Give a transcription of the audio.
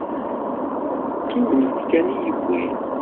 D tewnef kan i y-iwwin.